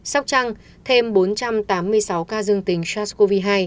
sóc trăng thêm bốn trăm tám mươi sáu ca dương tính sars cov hai